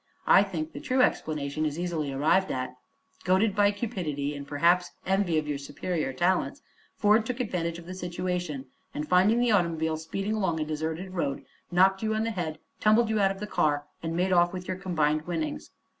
I think the true explanation is easily arrived at. Goaded by cupidity and perhaps envy of your superior talents Ford took advantage of the situation and, finding the automobile speeding along a deserted road, knocked you on the head, tumbled you out of the car, and made off with your combined winnings.